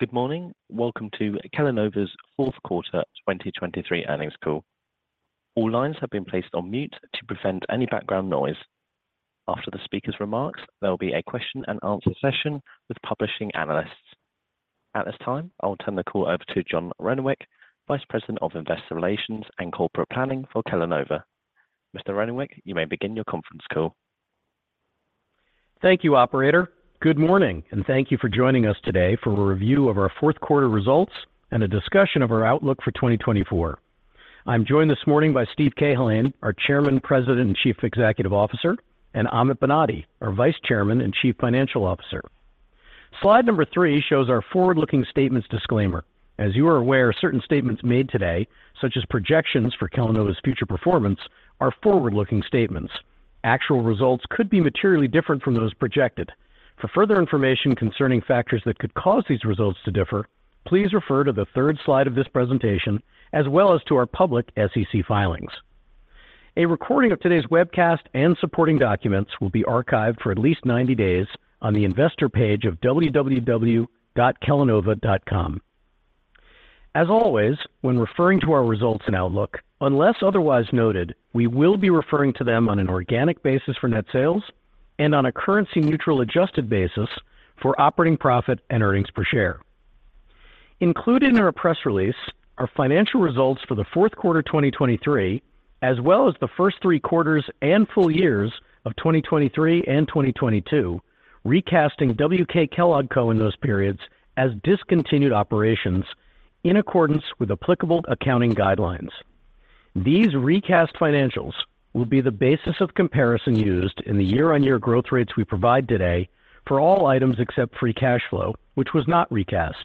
Good morning. Welcome to Kellanova's fourth quarter 2023 earnings call. All lines have been placed on mute to prevent any background noise. After the speaker's remarks, there will be a question and answer session with participating analysts. At this time, I'll turn the call over to John Renwick, Vice President of Investor Relations and Corporate Planning for Kellanova. Mr. Renwick, you may begin your conference call. Thank you, operator. Good morning, and thank you for joining us today for a review of our fourth quarter results and a discussion of our outlook for 2024. I'm joined this morning by Steve Cahillane, our Chairman, President, and Chief Executive Officer, and Amit Banati, our Vice Chairman and Chief Financial Officer. Slide number 3 shows our forward-looking statements disclaimer. As you are aware, certain statements made today, such as projections for Kellanova's future performance, are forward-looking statements. Actual results could be materially different from those projected. For further information concerning factors that could cause these results to differ, please refer to the 3rd slide of this presentation as well as to our public SEC filings. A recording of today's webcast and supporting documents will be archived for at least 90 days on the investor page of www.kellanova.com. As always, when referring to our results and outlook, unless otherwise noted, we will be referring to them on an organic basis for net sales and on a currency-neutral, adjusted basis for operating profit and earnings per share. Included in our press release are financial results for the fourth quarter 2023, as well as the first three quarters and full years of 2023 and 2022, recasting WK Kellogg Co. in those periods as discontinued operations in accordance with applicable accounting guidelines. These recast financials will be the basis of comparison used in the year-on-year growth rates we provide today for all items except free cash flow, which was not recast.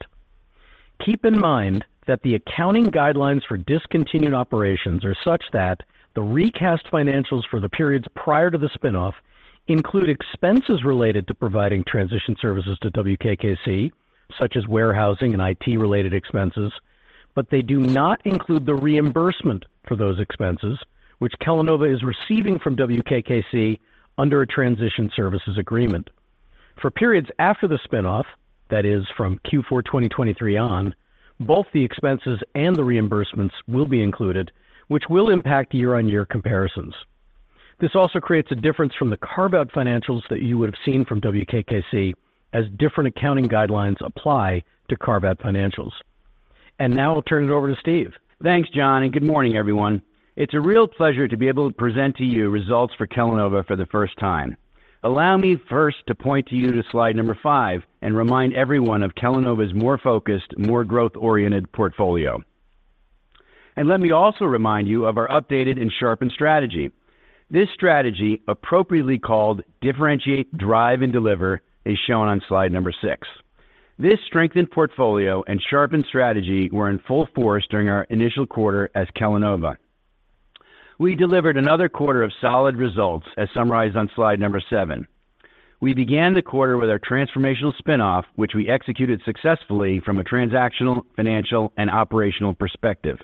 Keep in mind that the accounting guidelines for discontinued operations are such that the recast financials for the periods prior to the spin-off include expenses related to providing transition services to WK Kellogg Co, such as warehousing and IT-related expenses, but they do not include the reimbursement for those expenses, which Kellanova is receiving from WK Kellogg Co under a transition services agreement. For periods after the spin-off, that is, from Q4 2023 on, both the expenses and the reimbursements will be included, which will impact year-on-year comparisons. This also creates a difference from the carve-out financials that you would have seen from WK Kellogg Co, as different accounting guidelines apply to carve-out financials. Now I'll turn it over to Steve. Thanks, John, and good morning, everyone. It's a real pleasure to be able to present to you results for Kellanova for the first time. Allow me first to point you to slide number five and remind everyone of Kellanova's more focused, more growth-oriented portfolio. Let me also remind you of our updated and sharpened strategy. This strategy, appropriately called Differentiate, Drive and Deliver, is shown on slide number six. This strengthened portfolio and sharpened strategy were in full force during our initial quarter as Kellanova. We delivered another quarter of solid results, as summarized on slide number seven. We began the quarter with our transformational spinoff, which we executed successfully from a transactional, financial, and operational perspective.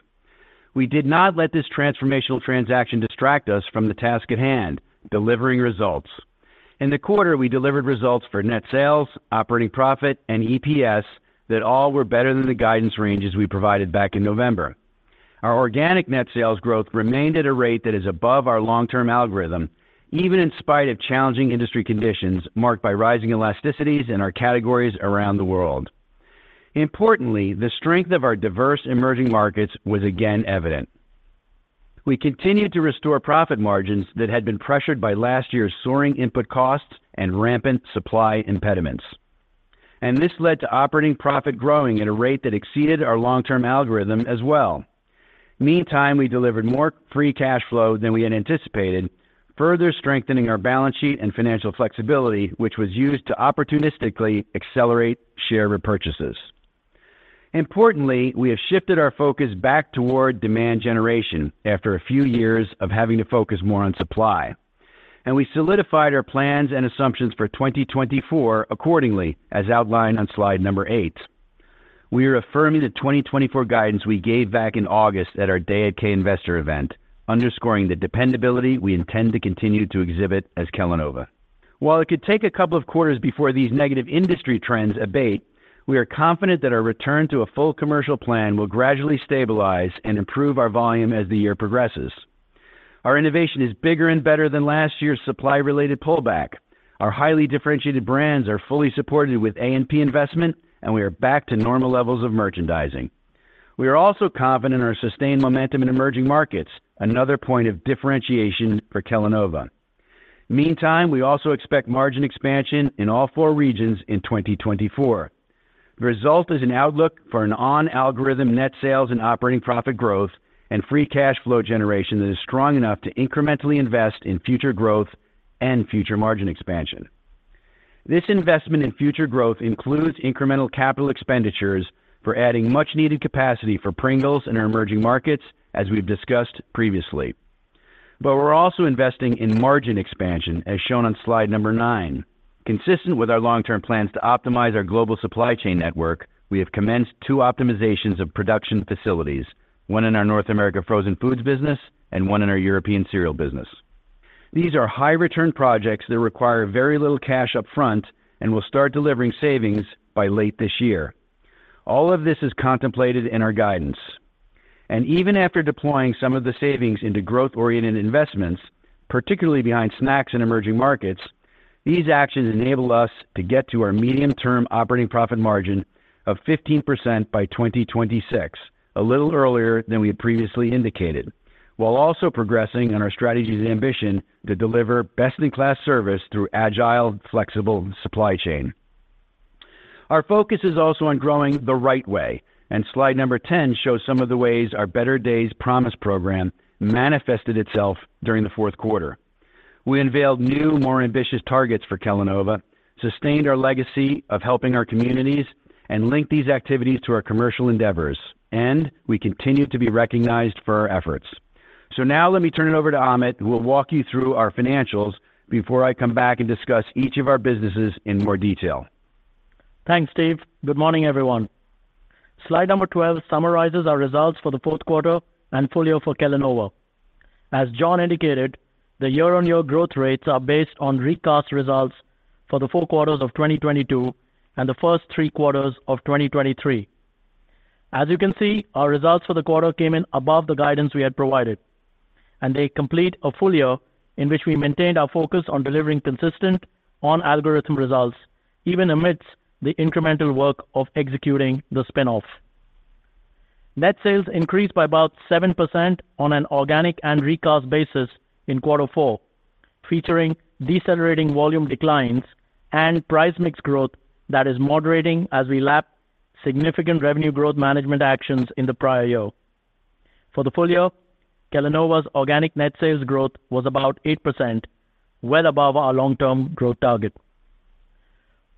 We did not let this transformational transaction distract us from the task at hand: delivering results. In the quarter, we delivered results for net sales, operating profit, and EPS that all were better than the guidance ranges we provided back in November. Our organic net sales growth remained at a rate that is above our long-term algorithm, even in spite of challenging industry conditions marked by rising elasticities in our categories around the world. Importantly, the strength of our diverse emerging markets was again evident. We continued to restore profit margins that had been pressured by last year's soaring input costs and rampant supply impediments, and this led to operating profit growing at a rate that exceeded our long-term algorithm as well. Meantime, we delivered more free cash flow than we had anticipated, further strengthening our balance sheet and financial flexibility, which was used to opportunistically accelerate share repurchases. Importantly, we have shifted our focus back toward demand generation after a few years of having to focus more on supply, and we solidified our plans and assumptions for 2024 accordingly, as outlined on slide 8. We are affirming the 2024 guidance we gave back in August at our Day@K investor event, underscoring the dependability we intend to continue to exhibit as Kellanova. While it could take a couple of quarters before these negative industry trends abate, we are confident that our return to a full commercial plan will gradually stabilize and improve our volume as the year progresses. Our innovation is bigger and better than last year's supply-related pullback. Our highly differentiated brands are fully supported with A&P investment, and we are back to normal levels of merchandising. We are also confident in our sustained momentum in emerging markets, another point of differentiation for Kellanova. Meantime, we also expect margin expansion in all four regions in 2024. The result is an outlook for an on-algorithm net sales and operating profit growth and free cash flow generation that is strong enough to incrementally invest in future growth and future margin expansion. This investment in future growth includes incremental capital expenditures for adding much-needed capacity for Pringles in our emerging markets, as we've discussed previously. But we're also investing in margin expansion, as shown on slide number 9. Consistent with our long-term plans to optimize our global supply chain network, we have commenced two optimizations of production facilities, one in our North America frozen foods business and one in our European cereal business.... These are high-return projects that require very little cash upfront and will start delivering savings by late this year. All of this is contemplated in our guidance. Even after deploying some of the savings into growth-oriented investments, particularly behind snacks in emerging markets, these actions enable us to get to our medium-term operating profit margin of 15% by 2026, a little earlier than we had previously indicated, while also progressing on our strategy's ambition to deliver best-in-class service through agile, flexible supply chain. Our focus is also on growing the right way, and slide number 10 shows some of the ways our Better Days Promise program manifested itself during the fourth quarter. We unveiled new, more ambitious targets for Kellanova, sustained our legacy of helping our communities, and linked these activities to our commercial endeavors, and we continue to be recognized for our efforts. Now let me turn it over to Amit, who will walk you through our financials before I come back and discuss each of our businesses in more detail. Thanks, Steve. Good morning, everyone. Slide number 12 summarizes our results for the fourth quarter and full year for Kellanova. As John indicated, the year-on-year growth rates are based on recast results for the 4 quarters of 2022 and the first 3 quarters of 2023. As you can see, our results for the quarter came in above the guidance we had provided, and they complete a full year in which we maintained our focus on delivering consistent on-algorithm results, even amidst the incremental work of executing the spin-off. Net sales increased by about 7% on an organic and recast basis in quarter four, featuring decelerating volume declines and price mix growth that is moderating as we lap significant revenue growth management actions in the prior year. For the full year, Kellanova's organic net sales growth was about 8%, well above our long-term growth target.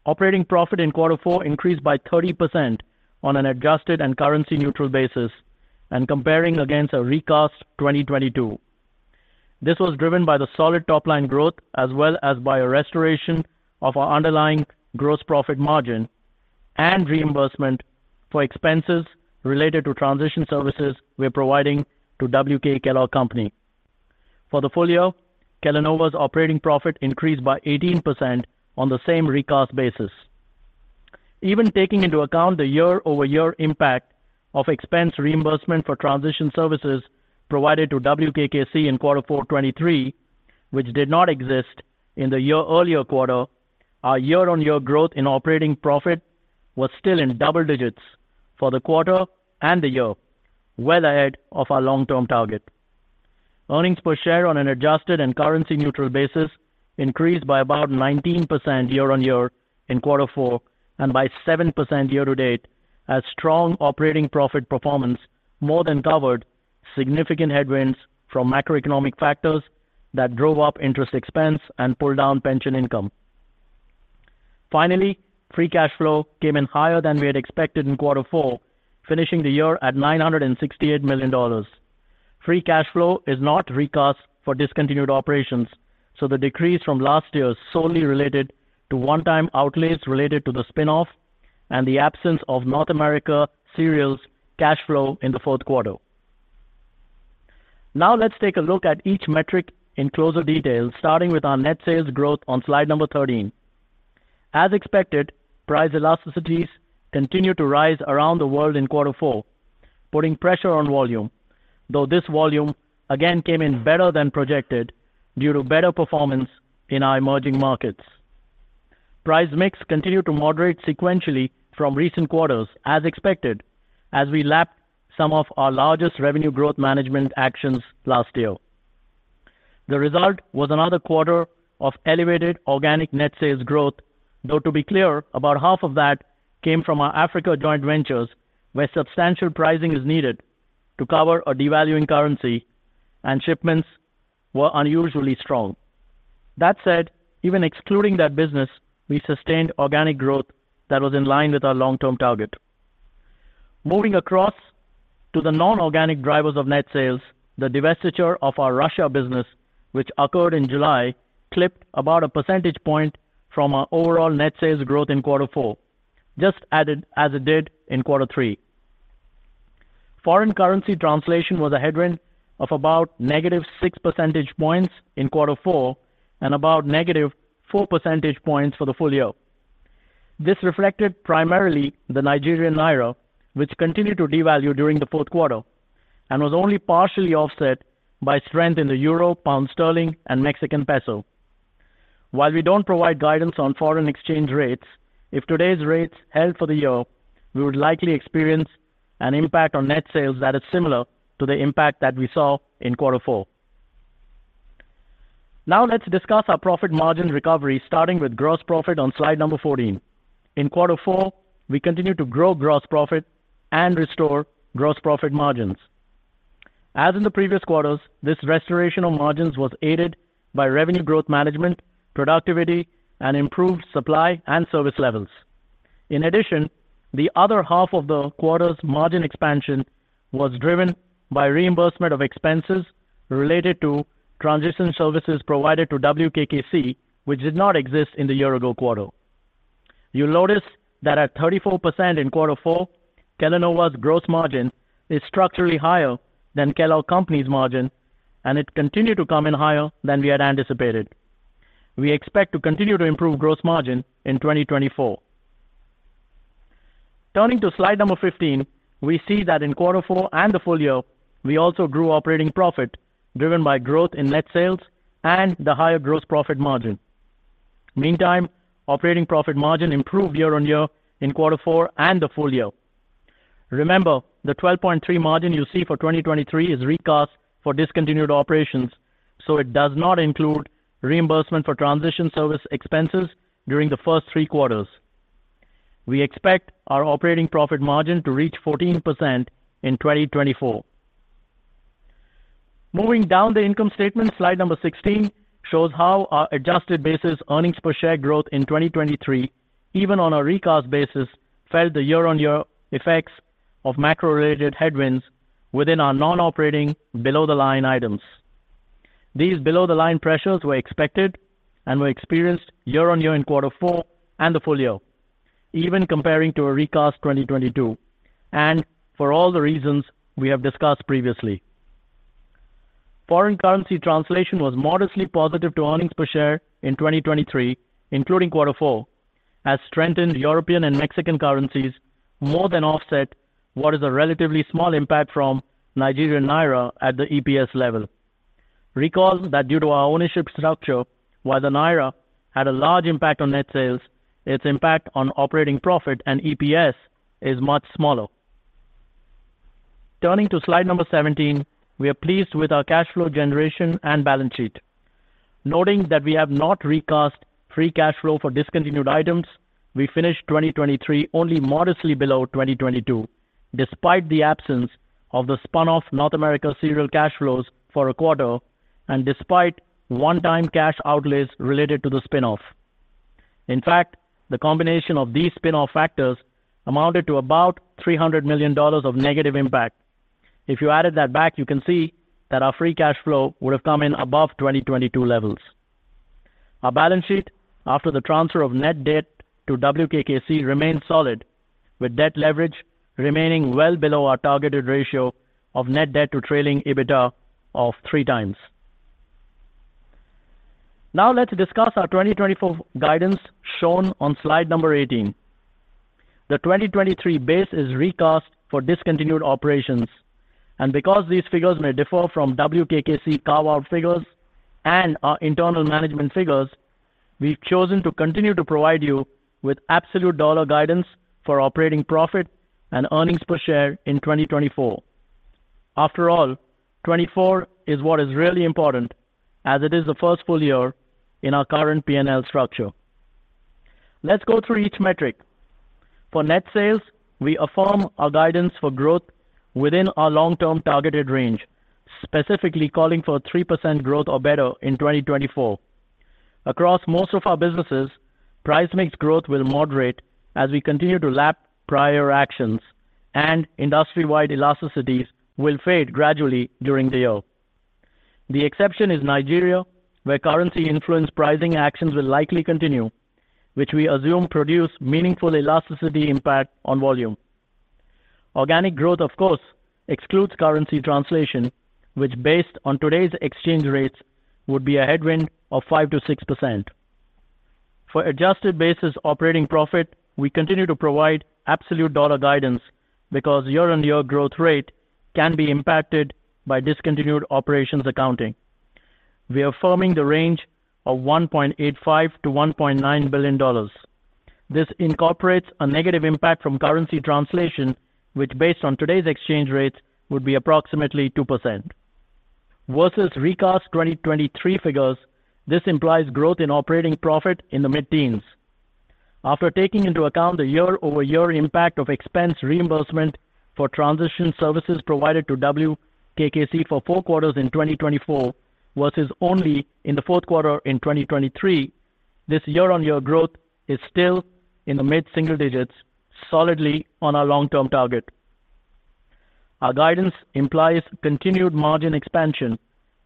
Operating profit in quarter four increased by 30% on an adjusted and currency-neutral basis and comparing against a recast 2022. This was driven by the solid top-line growth, as well as by a restoration of our underlying gross profit margin and reimbursement for expenses related to transition services we're providing to W.K. Kellogg Company. For the full year, Kellanova's operating profit increased by 18% on the same recast basis. Even taking into account the year-over-year impact of expense reimbursement for transition services provided to WKKC in quarter four 2023, which did not exist in the year-earlier quarter, our year-on-year growth in operating profit was still in double digits for the quarter and the year, well ahead of our long-term target. Earnings per share on an adjusted and currency-neutral basis increased by about 19% year-over-year in quarter four and by 7% year-to-date, as strong operating profit performance more than covered significant headwinds from macroeconomic factors that drove up interest expense and pulled down pension income. Finally, free cash flow came in higher than we had expected in quarter four, finishing the year at $968 million. Free cash flow is not recast for discontinued operations, so the decrease from last year is solely related to one-time outlays related to the spin-off and the absence of North America cereals cash flow in the fourth quarter. Now let's take a look at each metric in closer detail, starting with our net sales growth on slide number 13. As expected, price elasticities continued to rise around the world in quarter four, putting pressure on volume, though this volume again came in better than projected due to better performance in our emerging markets. Price mix continued to moderate sequentially from recent quarters, as expected, as we lapped some of our largest revenue growth management actions last year. The result was another quarter of elevated organic net sales growth, though, to be clear, about half of that came from our Africa joint ventures, where substantial pricing is needed to cover a devaluing currency and shipments were unusually strong. That said, even excluding that business, we sustained organic growth that was in line with our long-term target. Moving across to the non-organic drivers of net sales, the divestiture of our Russia business, which occurred in July, clipped about 1 percentage point from our overall net sales growth in quarter four, just as it, as it did in quarter three. Foreign currency translation was a headwind of about -6 percentage points in quarter four and about -4 percentage points for the full year. This reflected primarily the Nigerian naira, which continued to devalue during the fourth quarter and was only partially offset by strength in the euro, pound sterling, and Mexican peso. While we don't provide guidance on foreign exchange rates, if today's rates held for the year, we would likely experience an impact on net sales that is similar to the impact that we saw in quarter four. Now let's discuss our profit margin recovery, starting with gross profit on slide number 14. In quarter four, we continued to grow gross profit and restore gross profit margins. As in the previous quarters, this restoration of margins was aided by revenue growth management, productivity, and improved supply and service levels. In addition, the other half of the quarter's margin expansion was driven by reimbursement of expenses related to transition services provided to WKKC, which did not exist in the year-ago quarter.... You'll notice that at 34% in quarter four, Kellanova's gross margin is structurally higher than Kellogg Company's margin, and it continued to come in higher than we had anticipated. We expect to continue to improve gross margin in 2024. Turning to slide number 15, we see that in quarter four and the full year, we also grew operating profit, driven by growth in net sales and the higher gross profit margin. Meantime, operating profit margin improved year-on-year in quarter four and the full year. Remember, the 12.3 margin you see for 2023 is recast for discontinued operations, so it does not include reimbursement for transition service expenses during the first three quarters. We expect our operating profit margin to reach 14% in 2024. Moving down the income statement, slide number 16, shows how our adjusted basis earnings per share growth in 2023, even on a recast basis, felt the year-on-year effects of macro-related headwinds within our non-operating below-the-line items. These below-the-line pressures were expected and were experienced year-on-year in quarter four and the full year, even comparing to a recast 2022, and for all the reasons we have discussed previously. Foreign currency translation was modestly positive to earnings per share in 2023, including quarter four, as strengthened European and Mexican currencies more than offset what is a relatively small impact from Nigerian naira at the EPS level. Recall that due to our ownership structure, while the naira had a large impact on net sales, its impact on operating profit and EPS is much smaller. Turning to slide number 17, we are pleased with our cash flow generation and balance sheet. Noting that we have not recast free cash flow for discontinued items, we finished 2023 only modestly below 2022, despite the absence of the spun-off North America cereal cash flows for a quarter and despite one-time cash outlays related to the spin-off. In fact, the combination of these spin-off factors amounted to about $300 million of negative impact. If you added that back, you can see that our free cash flow would have come in above 2022 levels. Our balance sheet, after the transfer of net debt to WK Kellogg Co, remains solid, with debt leverage remaining well below our targeted ratio of net debt to trailing EBITDA of 3x. Now let's discuss our 2024 guidance shown on slide number 18. The 2023 base is recast for discontinued operations, and because these figures may differ from WK Kellogg Co carve-out figures and our internal management figures, we've chosen to continue to provide you with absolute dollar guidance for operating profit and earnings per share in 2024. After all, 2024 is what is really important, as it is the first full year in our current P&L structure. Let's go through each metric. For net sales, we affirm our guidance for growth within our long-term targeted range, specifically calling for 3% growth or better in 2024. Across most of our businesses, price mix growth will moderate as we continue to lap prior actions, and industry-wide elasticities will fade gradually during the year. The exception is Nigeria, where currency-influenced pricing actions will likely continue, which we assume produce meaningful elasticity impact on volume. Organic growth, of course, excludes currency translation, which, based on today's exchange rates, would be a headwind of 5%-6%. For adjusted basis operating profit, we continue to provide absolute dollar guidance because year-on-year growth rate can be impacted by discontinued operations accounting. We are affirming the range of $1.85 billion-$1.9 billion. This incorporates a negative impact from currency translation, which, based on today's exchange rates, would be approximately 2%. Versus recast 2023 figures, this implies growth in operating profit in the mid-teens. After taking into account the year-over-year impact of expense reimbursement for transition services provided to WKKC for four quarters in 2024 versus only in the fourth quarter in 2023, this year-on-year growth is still in the mid-single digits, solidly on our long-term target. Our guidance implies continued margin expansion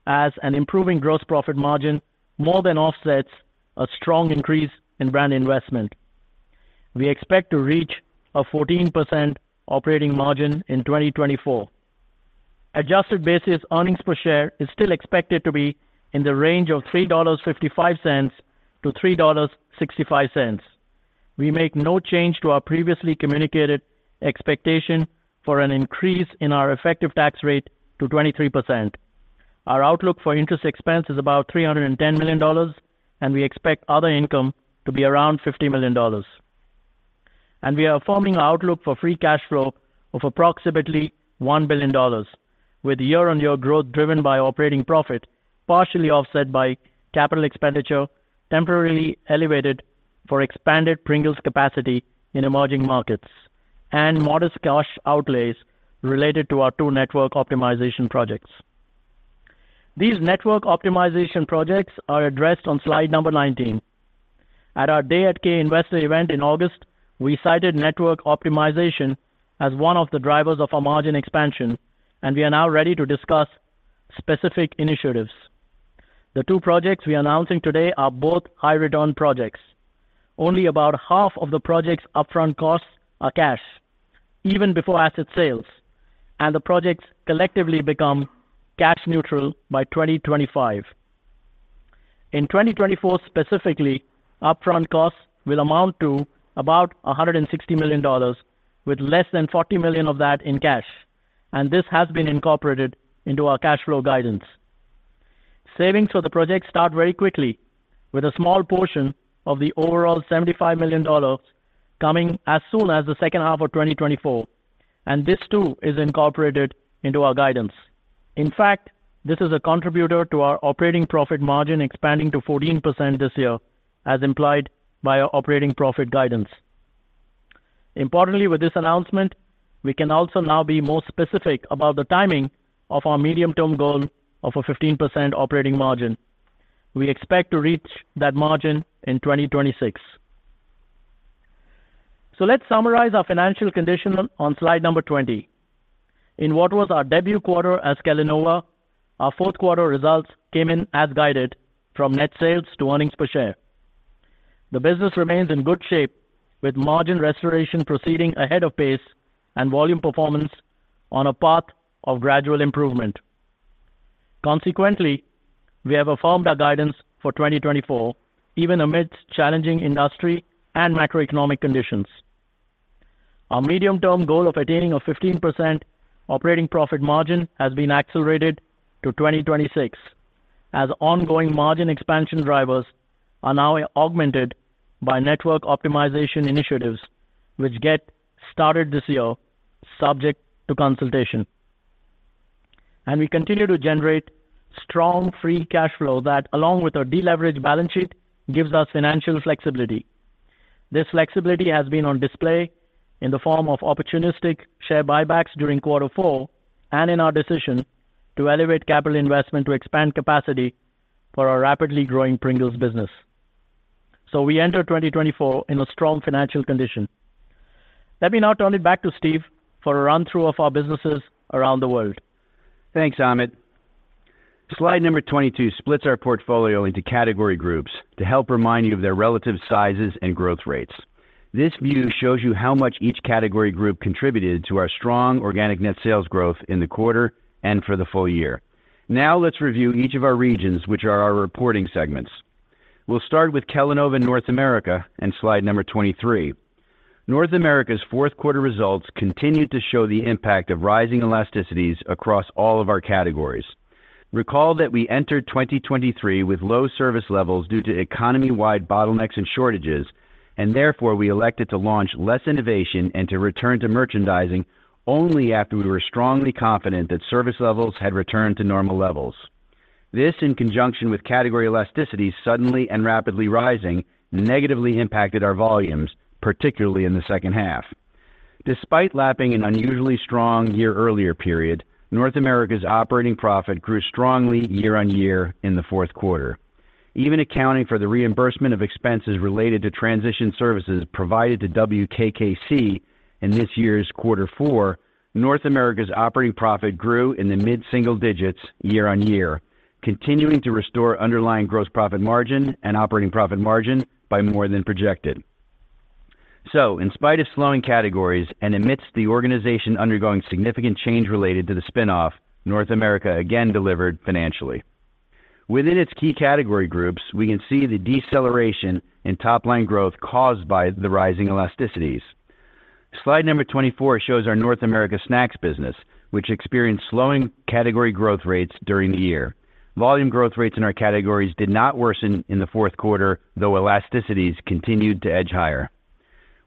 as an improving gross profit margin more than offsets a strong increase in brand investment. We expect to reach a 14% operating margin in 2024. Adjusted basis earnings per share is still expected to be in the range of $3.55-$3.65. We make no change to our previously communicated expectation for an increase in our effective tax rate to 23%. Our outlook for interest expense is about $310 million, and we expect other income to be around $50 million. We are affirming our outlook for free cash flow of approximately $1 billion, with year-on-year growth driven by operating profit, partially offset by capital expenditure, temporarily elevated for expanded Pringles capacity in emerging markets, and modest cash outlays related to our two network optimization projects. These network optimization projects are addressed on slide number 19. At our Day@K investor event in August, we cited network optimization as one of the drivers of our margin expansion, and we are now ready to discuss specific initiatives. The two projects we are announcing today are both high-return projects. Only about half of the project's upfront costs are cash, even before asset sales, and the projects collectively become cash neutral by 2025. In 2024 specifically, upfront costs will amount to about $160 million, with less than $40 million of that in cash, and this has been incorporated into our cash flow guidance. Savings for the project start very quickly, with a small portion of the overall $75 million coming as soon as the second half of 2024, and this too is incorporated into our guidance. In fact, this is a contributor to our operating profit margin expanding to 14% this year, as implied by our operating profit guidance. Importantly, with this announcement, we can also now be more specific about the timing of our medium-term goal of a 15% operating margin. We expect to reach that margin in 2026. So let's summarize our financial condition on slide number 20. In what was our debut quarter as Kellanova, our fourth quarter results came in as guided from net sales to earnings per share. The business remains in good shape, with margin restoration proceeding ahead of pace and volume performance on a path of gradual improvement. Consequently, we have affirmed our guidance for 2024, even amidst challenging industry and macroeconomic conditions. Our medium-term goal of attaining a 15% operating profit margin has been accelerated to 2026, as ongoing margin expansion drivers are now augmented by network optimization initiatives, which get started this year, subject to consultation. And we continue to generate strong free cash flow that, along with our deleveraged balance sheet, gives us financial flexibility. This flexibility has been on display in the form of opportunistic share buybacks during quarter four and in our decision to elevate capital investment to expand capacity for our rapidly growing Pringles business. We enter 2024 in a strong financial condition. Let me now turn it back to Steve for a run-through of our businesses around the world. Thanks, Amit. Slide number 22 splits our portfolio into category groups to help remind you of their relative sizes and growth rates. This view shows you how much each category group contributed to our strong organic net sales growth in the quarter and for the full year. Now let's review each of our regions, which are our reporting segments. We'll start with Kellanova North America in slide number 23. North America's fourth quarter results continued to show the impact of rising elasticities across all of our categories. Recall that we entered 2023 with low service levels due to economy-wide bottlenecks and shortages, and therefore, we elected to launch less innovation and to return to merchandising only after we were strongly confident that service levels had returned to normal levels. This, in conjunction with category elasticities suddenly and rapidly rising, negatively impacted our volumes, particularly in the second half. Despite lapping an unusually strong year-earlier period, North America's operating profit grew strongly year-on-year in the fourth quarter. Even accounting for the reimbursement of expenses related to transition services provided to WK Kellogg Co in this year's quarter four, North America's operating profit grew in the mid-single digits year-on-year, continuing to restore underlying gross profit margin and operating profit margin by more than projected. So in spite of slowing categories and amidst the organization undergoing significant change related to the spin-off, North America again delivered financially. Within its key category groups, we can see the deceleration in top-line growth caused by the rising elasticities. Slide number 24 shows our North America snacks business, which experienced slowing category growth rates during the year. Volume growth rates in our categories did not worsen in the fourth quarter, though elasticities continued to edge higher.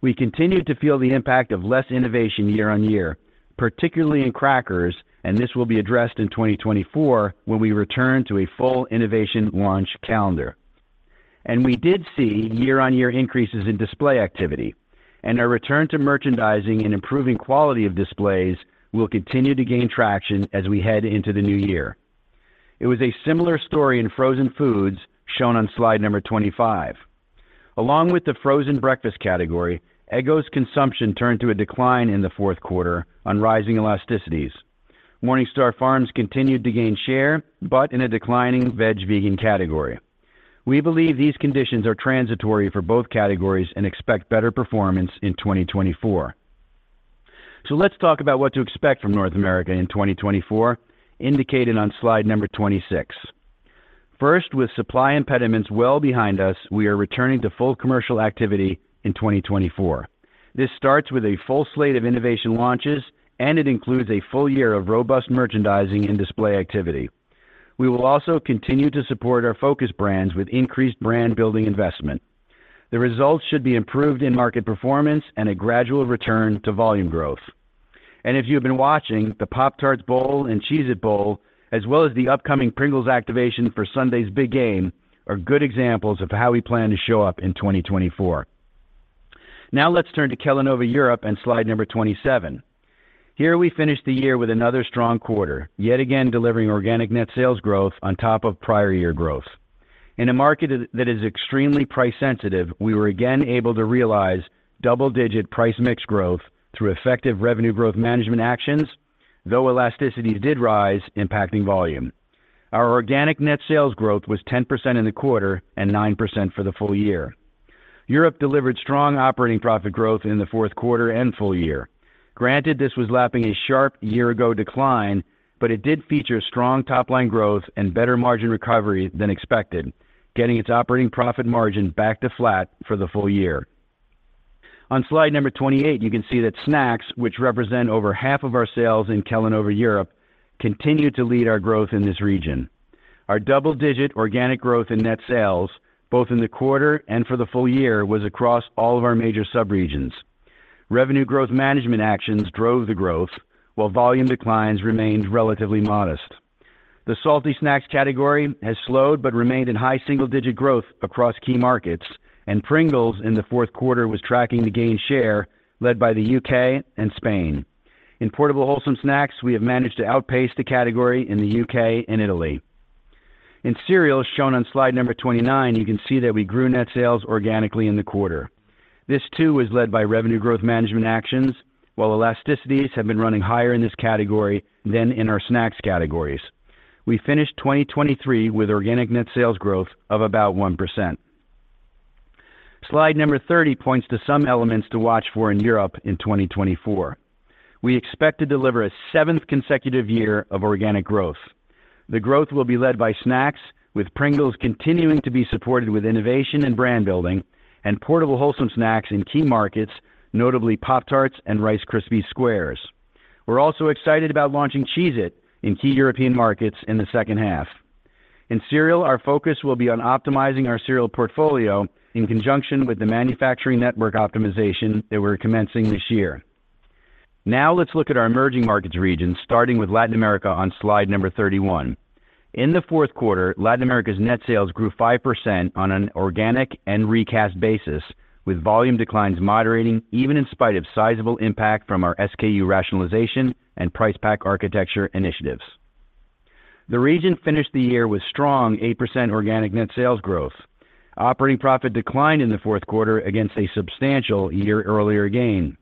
We continued to feel the impact of less innovation year-on-year, particularly in crackers, and this will be addressed in 2024, when we return to a full innovation launch calendar. We did see year-on-year increases in display activity, and our return to merchandising and improving quality of displays will continue to gain traction as we head into the new year. It was a similar story in frozen foods, shown on slide number 25. Along with the frozen breakfast category, Eggo's consumption turned to a decline in the fourth quarter on rising elasticities. MorningStar Farms continued to gain share, but in a declining vegan category. We believe these conditions are transitory for both categories and expect better performance in 2024. Let's talk about what to expect from North America in 2024, indicated on slide number 26. First, with supply impediments well behind us, we are returning to full commercial activity in 2024. This starts with a full slate of innovation launches, and it includes a full year of robust merchandising and display activity. We will also continue to support our focus brands with increased brand-building investment. The results should be improved in market performance and a gradual return to volume growth. And if you've been watching, the Pop-Tarts Bowl and Cheez-It Bowl, as well as the upcoming Pringles activation for Sunday's big game, are good examples of how we plan to show up in 2024. Now let's turn to Kellanova Europe and slide number 27. Here we finish the year with another strong quarter, yet again delivering organic net sales growth on top of prior year growth. In a market that is extremely price sensitive, we were again able to realize double-digit price mix growth through effective revenue growth management actions, though elasticity did rise, impacting volume. Our organic net sales growth was 10% in the quarter and 9% for the full year. Europe delivered strong operating profit growth in the fourth quarter and full year. Granted, this was lapping a sharp year-ago decline, but it did feature strong top-line growth and better margin recovery than expected, getting its operating profit margin back to flat for the full year. On slide number 28, you can see that snacks, which represent over half of our sales in Kellanova Europe, continued to lead our growth in this region. Our double-digit organic growth in net sales, both in the quarter and for the full year, was across all of our major sub-regions. Revenue growth management actions drove the growth, while volume declines remained relatively modest. The salty snacks category has slowed but remained in high single-digit growth across key markets, and Pringles, in the fourth quarter, was tracking to gain share, led by the U.K. and Spain. In portable wholesome snacks, we have managed to outpace the category in the U.K. and Italy. In cereals, shown on slide number 29, you can see that we grew net sales organically in the quarter. This, too, was led by revenue growth management actions, while elasticities have been running higher in this category than in our snacks categories. We finished 2023 with organic net sales growth of about 1%. Slide number 30 points to some elements to watch for in Europe in 2024. We expect to deliver a seventh consecutive year of organic growth. The growth will be led by snacks, with Pringles continuing to be supported with innovation and brand building and portable wholesome snacks in key markets, notably Pop-Tarts and Rice Krispies Squares. We're also excited about launching Cheez-It in key European markets in the second half. In cereal, our focus will be on optimizing our cereal portfolio in conjunction with the manufacturing network optimization that we're commencing this year. Now let's look at our emerging markets region, starting with Latin America on slide number 31. In the fourth quarter, Latin America's net sales grew 5% on an organic and recast basis, with volume declines moderating even in spite of sizable impact from our SKU rationalization and price pack architecture initiatives. The region finished the year with strong 8% organic net sales growth. Operating profit declined in the fourth quarter against a substantial year-earlier gain.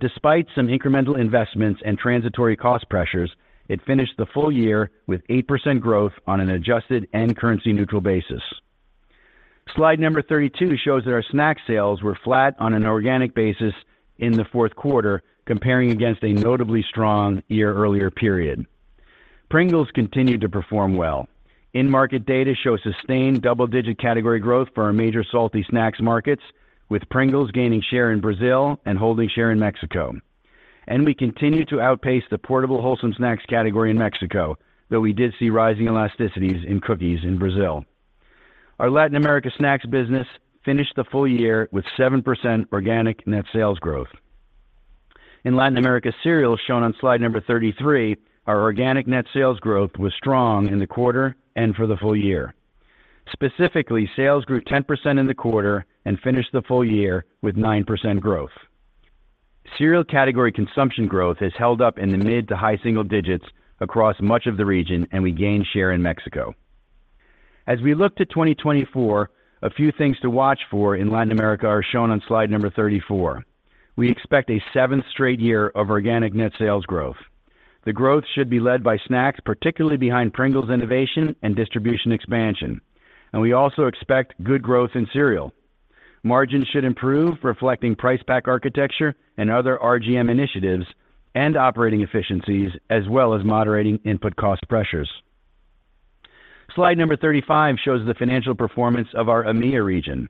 Despite some incremental investments and transitory cost pressures, it finished the full year with 8% growth on an adjusted and currency-neutral basis. Slide number 32 shows that our snack sales were flat on an organic basis in the fourth quarter, comparing against a notably strong year-earlier period. Pringles continued to perform well. In-market data show sustained double-digit category growth for our major salty snacks markets, with Pringles gaining share in Brazil and holding share in Mexico. We continued to outpace the portable wholesome snacks category in Mexico, though we did see rising elasticities in cookies in Brazil. Our Latin America snacks business finished the full year with 7% organic net sales growth. In Latin America cereals, shown on slide number 33, our organic net sales growth was strong in the quarter and for the full year. Specifically, sales grew 10% in the quarter and finished the full year with 9% growth. Cereal category consumption growth has held up in the mid to high single digits across much of the region, and we gained share in Mexico. As we look to 2024, a few things to watch for in Latin America are shown on slide number 34. We expect a seventh straight year of organic net sales growth. The growth should be led by snacks, particularly behind Pringles innovation and distribution expansion, and we also expect good growth in cereal. Margins should improve, reflecting price pack architecture and other RGM initiatives and operating efficiencies, as well as moderating input cost pressures. Slide number 35 shows the financial performance of our EMEA region.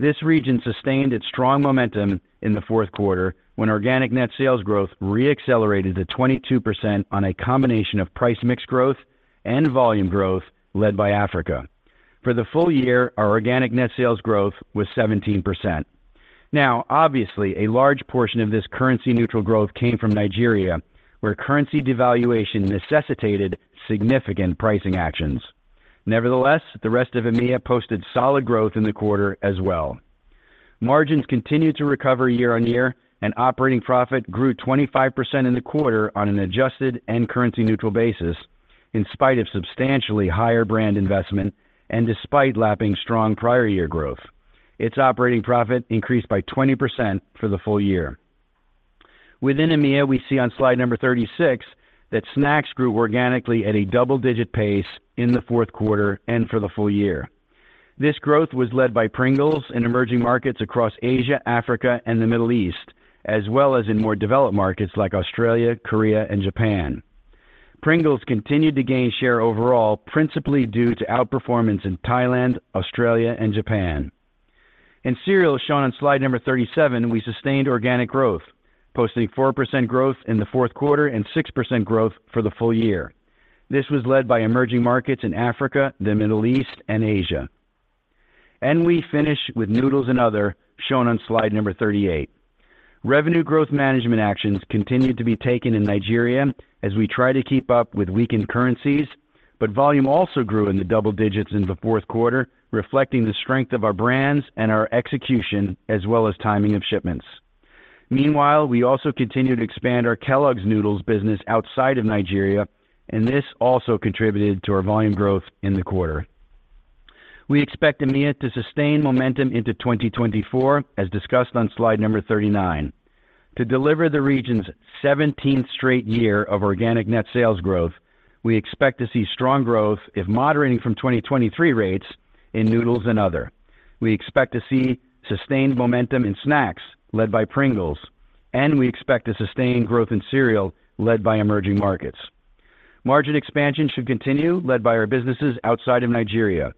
This region sustained its strong momentum in the fourth quarter, when organic net sales growth re-accelerated to 22% on a combination of price mix growth and volume growth led by Africa. For the full year, our organic net sales growth was 17%. Now, obviously, a large portion of this currency-neutral growth came from Nigeria, where currency devaluation necessitated significant pricing actions. Nevertheless, the rest of EMEA posted solid growth in the quarter as well. Margins continued to recover year-on-year, and operating profit grew 25% in the quarter on an adjusted and currency-neutral basis, in spite of substantially higher brand investment and despite lapping strong prior year growth. Its operating profit increased by 20% for the full year. Within EMEA, we see on slide number 36, that snacks grew organically at a double-digit pace in the fourth quarter and for the full year. This growth was led by Pringles in emerging markets across Asia, Africa, and the Middle East, as well as in more developed markets like Australia, Korea, and Japan. Pringles continued to gain share overall, principally due to outperformance in Thailand, Australia, and Japan. In cereals, shown on slide number 37, we sustained organic growth, posting 4% growth in the fourth quarter and 6% growth for the full year. This was led by emerging markets in Africa, the Middle East, and Asia. We finish with noodles and other, shown on slide number 38. Revenue growth management actions continued to be taken in Nigeria as we try to keep up with weakened currencies, but volume also grew in the double digits in the fourth quarter, reflecting the strength of our brands and our execution, as well as timing of shipments.... Meanwhile, we also continue to expand our Kellogg's Noodles business outside of Nigeria, and this also contributed to our volume growth in the quarter. We expect EMEA to sustain momentum into 2024, as discussed on slide number 39. To deliver the region's 17th straight year of organic net sales growth, we expect to see strong growth if moderating from 2023 rates in noodles and other. We expect to see sustained momentum in snacks led by Pringles, and we expect to sustain growth in cereal led by emerging markets. Margin expansion should continue, led by our businesses outside of Nigeria.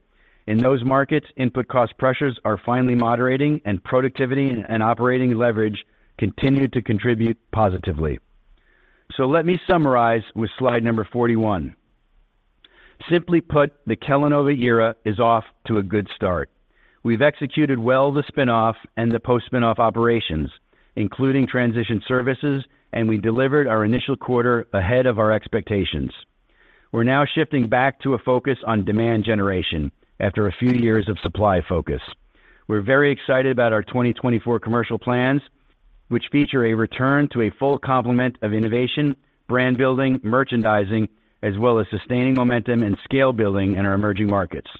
In those markets, input cost pressures are finally moderating, and productivity and operating leverage continue to contribute positively. So let me summarize with slide number 41. Simply put, the Kellanova era is off to a good start. We've executed well the spin-off and the post-spin-off operations, including transition services, and we delivered our initial quarter ahead of our expectations. We're now shifting back to a focus on demand generation after a few years of supply focus. We're very excited about our 2024 commercial plans, which feature a return to a full complement of innovation, brand building, merchandising, as well as sustaining momentum and scale building in our emerging markets.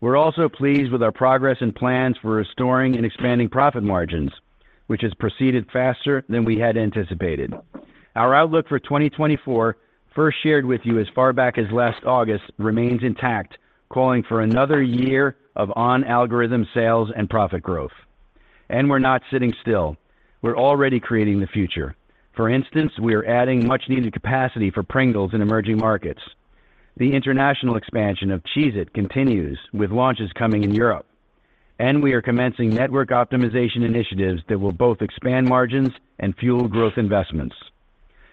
We're also pleased with our progress and plans for restoring and expanding profit margins, which has proceeded faster than we had anticipated. Our outlook for 2024, first shared with you as far back as last August, remains intact, calling for another year of on-algorithm sales and profit growth. And we're not sitting still. We're already creating the future. For instance, we are adding much-needed capacity for Pringles in emerging markets. The international expansion of Cheez-It continues, with launches coming in Europe, and we are commencing network optimization initiatives that will both expand margins and fuel growth investments.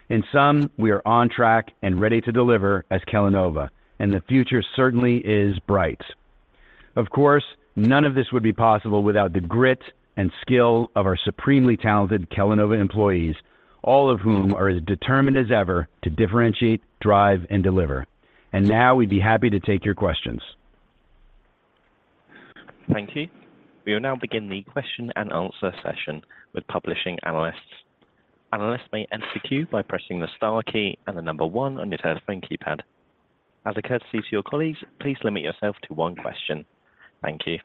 In sum, we are on track and ready to deliver as Kellanova, and the future certainly is bright. Of course, none of this would be possible without the grit and skill of our supremely talented Kellanova employees, all of whom are as determined as ever to Differentiate, Drive and Deliver. Now we'd be happy to take your questions. Thank you. We will now begin the question-and-answer session with publishing analysts. Analysts may ask a question by pressing the star key and the number 1 on your telephone keypad. As a courtesy to your colleagues, please limit yourself to one question. Thank you.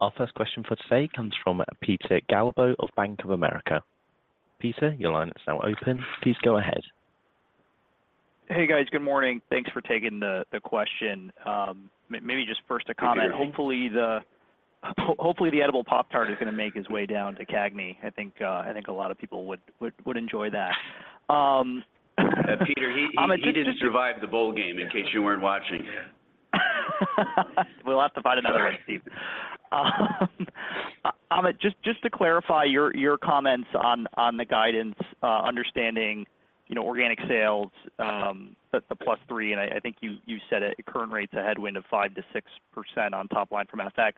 Our first question for today comes from Peter Galbo of Bank of America. Peter, your line is now open. Please go ahead. Hey, guys, good morning. Thanks for taking the question. Maybe just first a comment. Hopefully, the edible Pop-Tart is going to make its way down to CAGNY. I think a lot of people would enjoy that. Peter, he didn't survive the bowl game in case you weren't watching. We'll have to find another way, Steve. Amit, just to clarify your comments on the guidance, understanding, you know, organic sales at +3%, and I think you said at current rates, a headwind of 5%-6% on top line from FX.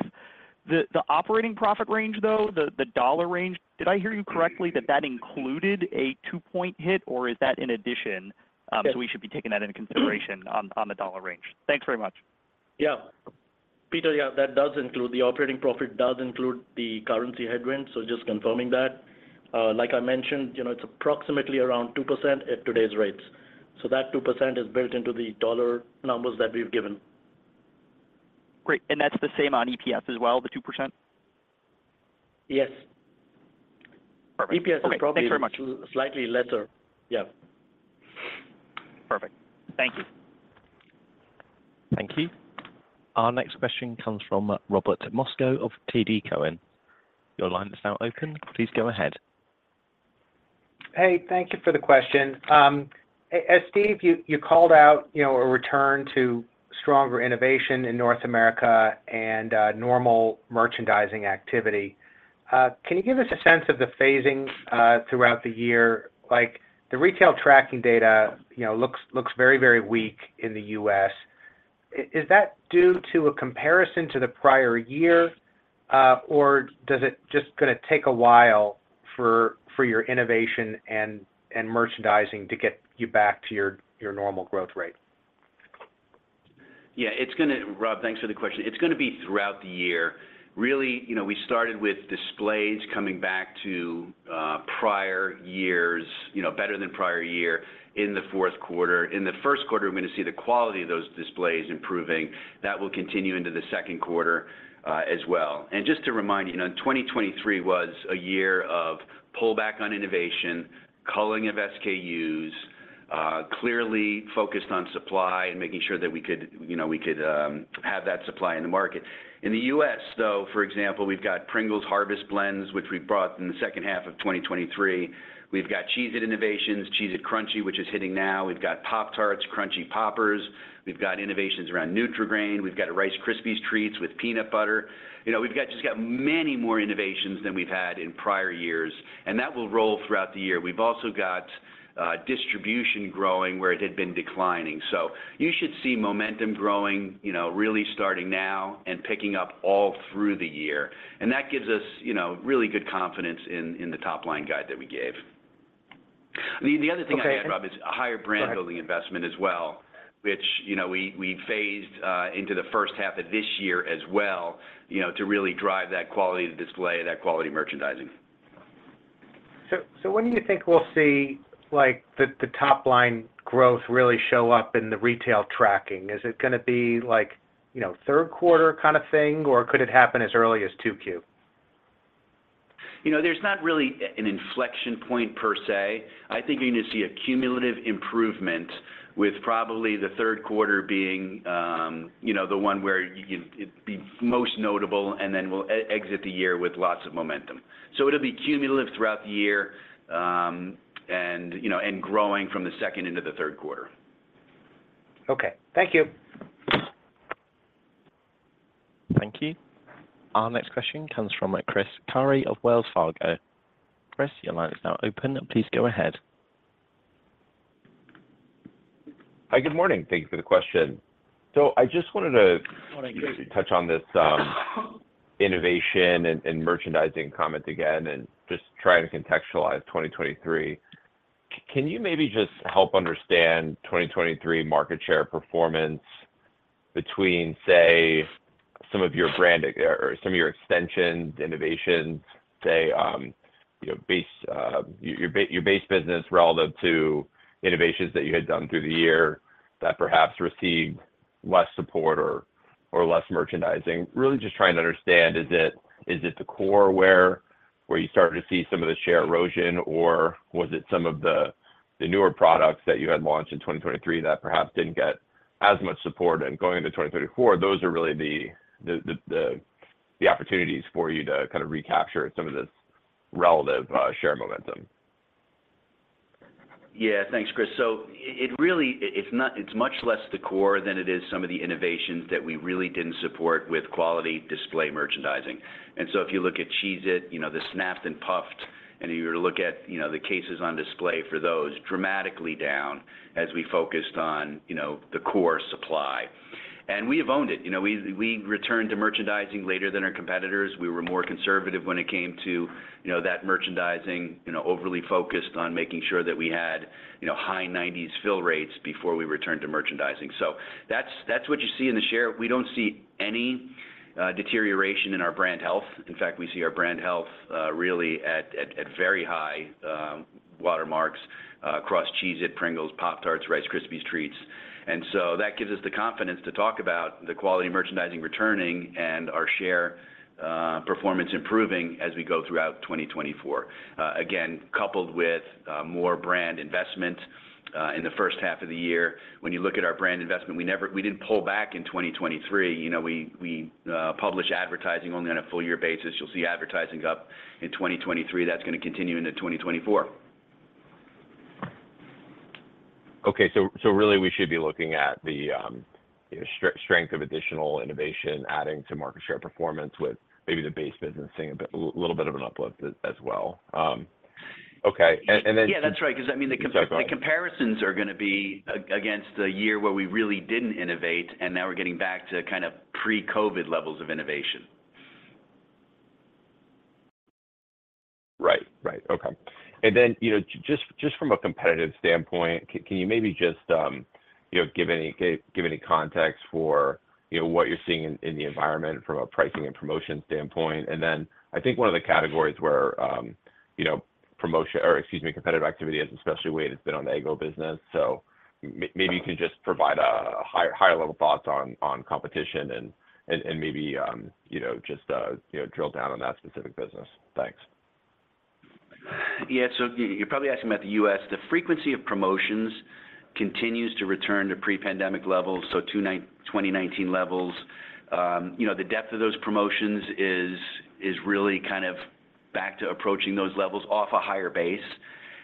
The operating profit range, though, the dollar range, did I hear you correctly, that that included a 2-point hit, or is that in addition, so we should be taking that into consideration on the dollar range? Thanks very much. Yeah. Peter, yeah, that does include the operating profit, does include the currency headwind, so just confirming that. Like I mentioned, you know, it's approximately around 2% at today's rates. So that 2% is built into the dollar numbers that we've given. Great. And that's the same on EPS as well, the 2%? Yes. Perfect. EPS is probably- Thanks very much.... slightly lesser. Yeah. Perfect. Thank you. Thank you. Our next question comes from Robert Moskow of TD Cowen. Your line is now open. Please go ahead. Hey, thank you for the question. As Steve, you called out, you know, a return to stronger innovation in North America and normal merchandising activity. Can you give us a sense of the phasing throughout the year? Like, the retail tracking data, you know, looks very, very weak in the U.S. Is that due to a comparison to the prior year, or does it just gonna take a while for your innovation and merchandising to get you back to your normal growth rate? Yeah, it's gonna... Rob, thanks for the question. It's gonna be throughout the year. Really, you know, we started with displays coming back to prior years, you know, better than prior year in the fourth quarter. In the first quarter, we're going to see the quality of those displays improving. That will continue into the second quarter, as well. And just to remind you, you know, 2023 was a year of pullback on innovation, culling of SKUs, clearly focused on supply and making sure that we could, you know, we could have that supply in the market. In the U.S., though, for example, we've got Pringles Harvest Blends, which we brought in the second half of 2023. We've got Cheez-It innovations, Cheez-It Crunchy, which is hitting now. We've got Pop-Tarts, Crunchy Poppers. We've got innovations around Nutri-Grain. We've got Rice Krispies Treats with peanut butter. You know, we've got just got many more innovations than we've had in prior years, and that will roll throughout the year. We've also got distribution growing, where it had been declining. So you should see momentum growing, you know, really starting now and picking up all through the year. And that gives us, you know, really good confidence in the top-line guide that we gave. The other thing I had, Rob, is a higher brand- Go ahead ad-building investment as well, which, you know, we phased into the first half of this year as well, you know, to really drive that quality of display, that quality merchandising. So, when do you think we'll see, like, the top-line growth really show up in the retail tracking? Is it gonna be like, you know, third quarter kind of thing, or could it happen as early as 2Q? You know, there's not really an inflection point per se. I think you're gonna see a cumulative improvement with probably the third quarter being, you know, the one where it'll be most notable, and then we'll exit the year with lots of momentum. So it'll be cumulative throughout the year, and, you know, and growing from the second into the third quarter. Okay. Thank you. Thank you. Our next question comes from Chris Carey of Wells Fargo. Chris, your line is now open. Please go ahead. Hi, good morning. Thank you for the question. I just wanted to- Good morning, Chris.... touch on this, innovation and merchandising comment again and just try to contextualize 2023. Can you maybe just help understand 2023 market share performance between, say, some of your brands or some of your extensions, innovations, say, you know, base, your base business relative to innovations that you had done through the year that perhaps received less support or less merchandising? Really just trying to understand, is it the core where you started to see some of the share erosion, or was it some of the newer products that you had launched in 2023 that perhaps didn't get as much support? And going into 2024, those are really the opportunities for you to kind of recapture some of this relative share momentum. Yeah. Thanks, Chris. So it really is not, it's much less the core than it is some of the innovations that we really didn't support with quality display merchandising. And so if you look at Cheez-It, you know, the Snap'd and Puff'd, and if you were to look at, you know, the cases on display for those, dramatically down as we focused on, you know, the core supply. And we have owned it. You know, we, we returned to merchandising later than our competitors. We were more conservative when it came to, you know, that merchandising, you know, overly focused on making sure that we had, you know, high 90s fill rates before we returned to merchandising. So that's, that's what you see in the share. We don't see any deterioration in our brand health. In fact, we see our brand health really at very high watermarks across Cheez-It, Pringles, Pop-Tarts, Rice Krispies Treats. And so that gives us the confidence to talk about the quality merchandising returning and our share performance improving as we go throughout 2024. Again, coupled with more brand investment in the first half of the year. When you look at our brand investment, we didn't pull back in 2023. You know, we published advertising only on a full year basis. You'll see advertising up in 2023. That's gonna continue into 2024. Okay, so really, we should be looking at the, you know, strength of additional innovation adding to market share performance with maybe the base business seeing a bit, little bit of an uplift as well. Okay. And then- Yeah, that's right, 'cause, I mean, the comp- Sorry, go ahead.... the comparisons are gonna be against the year where we really didn't innovate, and now we're getting back to kind of pre-COVID levels of innovation. Right. Right. Okay. And then, you know, just, just from a competitive standpoint, can you maybe just, you know, give any context for, you know, what you're seeing in the environment from a pricing and promotion standpoint? And then I think one of the categories where, you know, promotion, or excuse me, competitive activity has especially weighed, it's been on the Eggo business. So maybe you can just provide a higher level thoughts on competition and maybe, you know, just, you know, drill down on that specific business. Thanks. Yeah. So you're probably asking about the US. The frequency of promotions continues to return to pre-pandemic levels, so 2019 levels. You know, the depth of those promotions is really kind of back to approaching those levels off a higher base.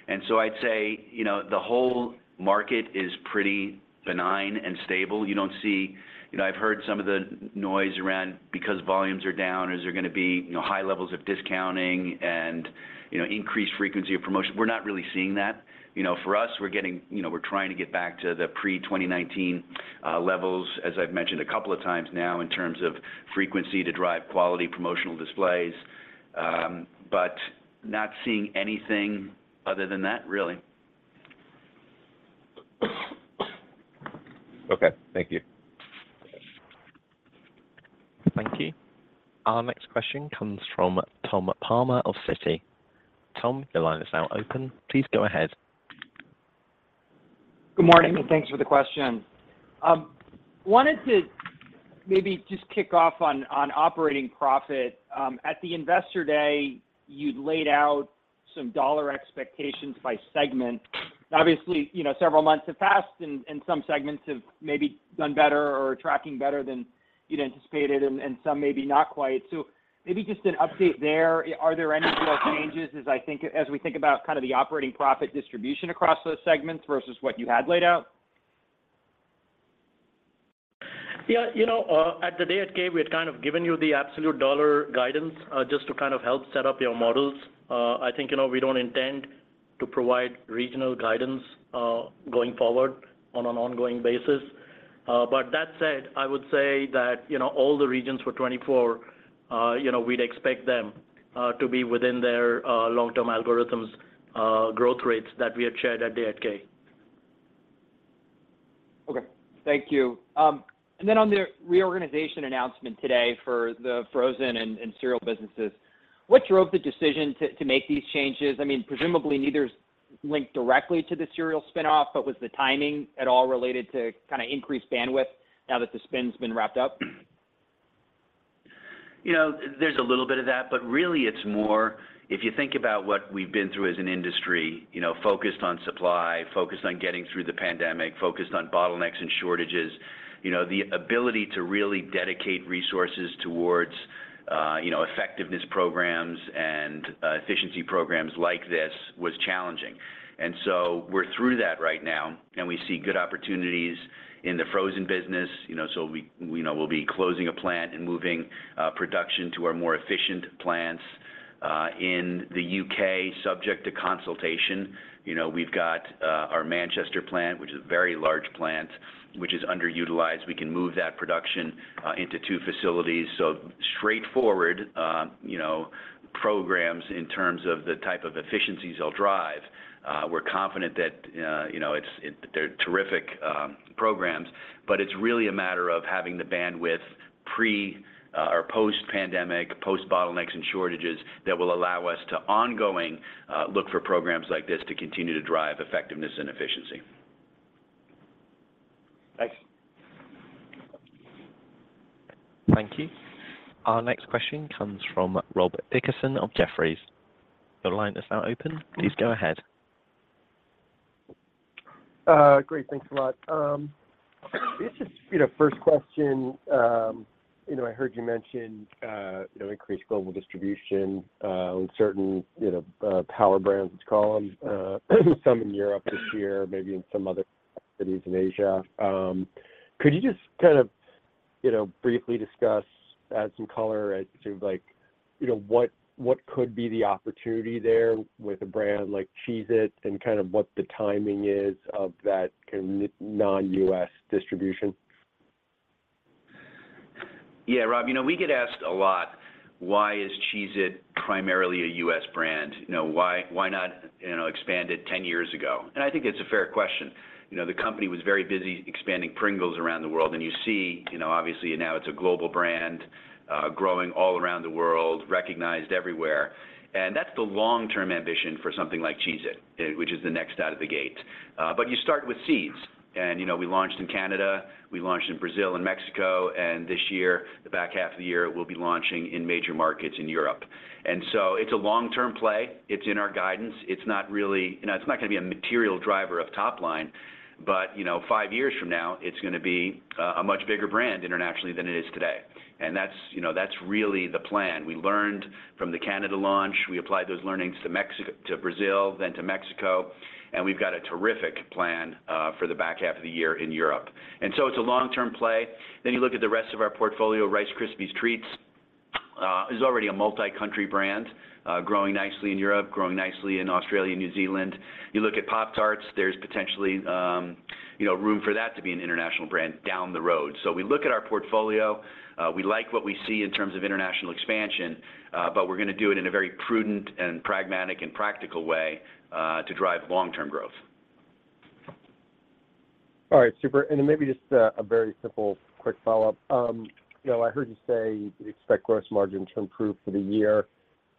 And so I'd say, you know, the whole market is pretty benign and stable. You don't see. You know, I've heard some of the noise around because volumes are down, is there gonna be, you know, high levels of discounting and, you know, increased frequency of promotion? We're not really seeing that. You know, for us, we're getting you know, we're trying to get back to the pre-2019 levels, as I've mentioned a couple of times now, in terms of frequency to drive quality promotional displays. But not seeing anything other than that, really. Okay, thank you. Thank you. Our next question comes from Tom Palmer of Citi. Tom, your line is now open. Please go ahead. Good morning, and thanks for the question. Wanted to maybe just kick off on operating profit. At the Investor Day, you'd laid out some dollar expectations by segment. Obviously, you know, several months have passed and some segments have maybe done better or are tracking better than you'd anticipated and some maybe not quite. So maybe just an update there. Are there any real changes, as we think about kind of the operating profit distribution across those segments versus what you had laid out? Yeah, you know, at the Day@K, we had kind of given you the absolute dollar guidance, just to kind of help set up your models. I think, you know, we don't intend to provide regional guidance, going forward on an ongoing basis. But that said, I would say that, you know, all the regions for 2024,... you know, we'd expect them to be within their long-term algorithms, growth rates that we had shared at the 8-K. Okay. Thank you. And then on the reorganization announcement today for the frozen and cereal businesses, what drove the decision to make these changes? I mean, presumably, neither is linked directly to the cereal spin-off, but was the timing at all related to kind of increased bandwidth now that the spin's been wrapped up? You know, there's a little bit of that, but really, it's more if you think about what we've been through as an industry, you know, focused on supply, focused on getting through the pandemic, focused on bottlenecks and shortages. You know, the ability to really dedicate resources towards, you know, effectiveness programs and efficiency programs like this was challenging. And so we're through that right now, and we see good opportunities in the frozen business. You know, so we—you know, we'll be closing a plant and moving production to our more efficient plants in the UK, subject to consultation. You know, we've got our Manchester plant, which is a very large plant, which is underutilized. We can move that production into two facilities. So straightforward, you know, programs in terms of the type of efficiencies they'll drive. We're confident that, you know, it's—they're terrific programs, but it's really a matter of having the bandwidth pre- or post-pandemic, post-bottlenecks and shortages, that will allow us to ongoing look for programs like this to continue to drive effectiveness and efficiency. Thanks. Thank you. Our next question comes from Rob Dickerson of Jefferies. Your line is now open. Please go ahead. Great. Thanks a lot. Just, you know, first question, you know, I heard you mention, you know, increased global distribution, on certain, you know, power brands, let's call them, some in Europe this year, maybe in some other cities in Asia. Could you just kind of, you know, briefly discuss, add some color as to like, you know, what, what could be the opportunity there with a brand like Cheez-It, and kind of what the timing is of that kind non-US distribution? Yeah, Rob, you know, we get asked a lot, why is Cheez-It primarily a US brand? You know, why, why not, you know, expand it 10 years ago? And I think it's a fair question. You know, the company was very busy expanding Pringles around the world, and you see, you know, obviously, now it's a global brand, growing all around the world, recognized everywhere. And that's the long-term ambition for something like Cheez-It, which is the next out of the gate. But you start with seeds, and, you know, we launched in Canada, we launched in Brazil and Mexico, and this year, the back half of the year, we'll be launching in major markets in Europe. And so it's a long-term play. It's in our guidance. It's not really. You know, it's not going to be a material driver of top line, but, you know, five years from now, it's going to be a much bigger brand internationally than it is today. And that's, you know, that's really the plan. We learned from the Canada launch. We applied those learnings to Brazil, then to Mexico, and we've got a terrific plan for the back half of the year in Europe. And so it's a long-term play. Then you look at the rest of our portfolio, Rice Krispies Treats is already a multi-country brand, growing nicely in Europe, growing nicely in Australia and New Zealand. You look at Pop-Tarts, there's potentially, you know, room for that to be an international brand down the road. We look at our portfolio, we like what we see in terms of international expansion, but we're going to do it in a very prudent and pragmatic and practical way, to drive long-term growth. All right, super. And then maybe just a very simple quick follow-up. You know, I heard you say you expect gross margins to improve for the year.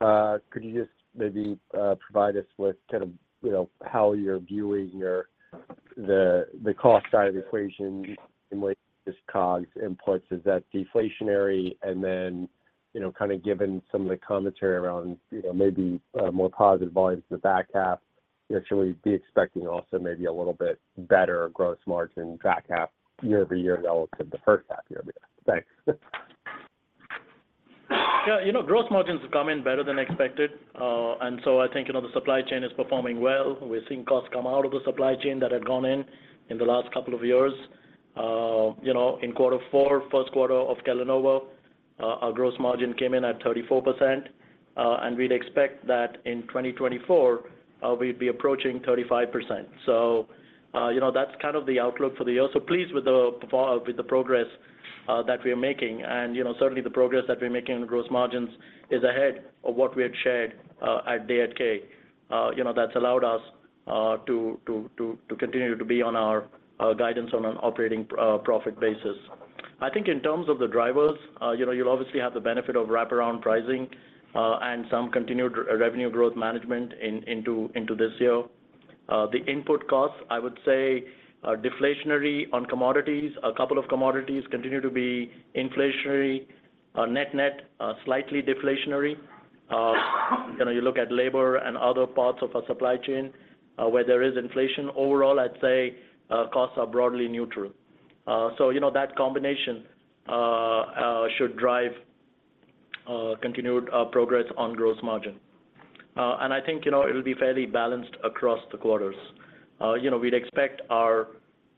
Could you just maybe provide us with kind of, you know, how you're viewing the cost side of the equation in light of this COGS inputs, is that deflationary? And then, you know, kind of given some of the commentary around, you know, maybe more positive volumes in the back half, should we be expecting also maybe a little bit better gross margin back half year-over-year relative to the first half year-over-year? Thanks. Yeah, you know, gross margins have come in better than expected, and so I think, you know, the supply chain is performing well. We're seeing costs come out of the supply chain that had gone in in the last couple of years. You know, in quarter four, first quarter of Kellanova, our gross margin came in at 34%, and we'd expect that in 2024, we'd be approaching 35%. So, you know, that's kind of the outlook for the year. So pleased with the progress, with the progress, that we are making. And, you know, certainly the progress that we're making in gross margins is ahead of what we had shared at Day@K. You know, that's allowed us to continue to be on our guidance on an operating profit basis. I think in terms of the drivers, you know, you'll obviously have the benefit of wraparound pricing and some continued revenue growth management into this year. The input costs, I would say, are deflationary on commodities. A couple of commodities continue to be inflationary. Net-net, slightly deflationary. You know, you look at labor and other parts of our supply chain, where there is inflation. Overall, I'd say, costs are broadly neutral. So, you know, that combination should drive continued progress on gross margin. And I think, you know, it'll be fairly balanced across the quarters. You know, we'd expect our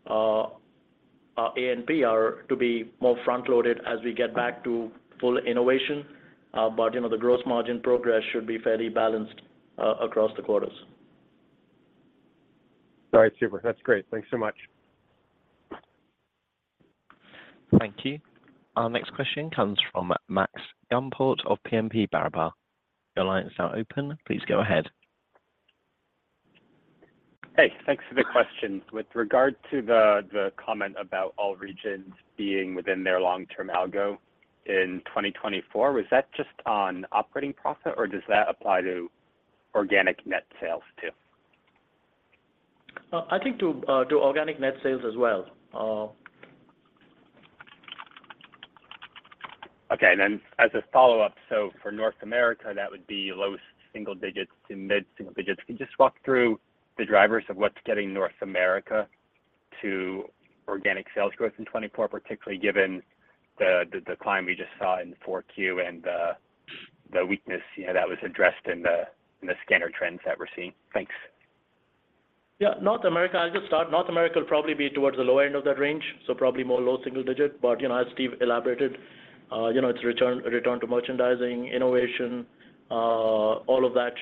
A&P to be more front-loaded as we get back to full innovation. But you know, the gross margin progress should be fairly balanced across the quarters.... All right, super. That's great. Thanks so much. Thank you. Our next question comes from Max Gumport of BNP Paribas. Your line is now open, please go ahead. Hey, thanks for the question. With regard to the comment about all regions being within their long-term algo in 2024, was that just on operating profit, or does that apply to organic net sales, too? I think to organic net sales as well. Okay, and then as a follow-up, so for North America, that would be low single digits to mid-single digits. Can you just walk through the drivers of what's getting North America to organic sales growth in 2024, particularly given the decline we just saw in 4Q and the weakness, you know, that was addressed in the scanner trends that we're seeing? Thanks. Yeah, North America, I'll just start. North America will probably be towards the lower end of that range, so probably more low single digit. But, you know, as Steve elaborated, you know, it's a return to merchandising, innovation, all of that